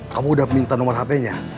kamu udah minta nomor hpnya